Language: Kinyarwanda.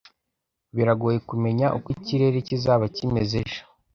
Biragoye kumenya uko ikirere kizaba kimeze ejo